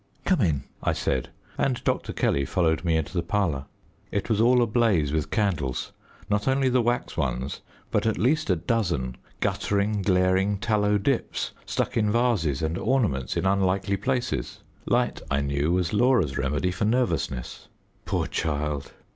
"Come in," I said, and Dr. Kelly followed me into the parlour. It was all ablaze with candles, not only the wax ones, but at least a dozen guttering, glaring tallow dips, stuck in vases and ornaments in unlikely places. Light, I knew, was Laura's remedy for nervousness. Poor child!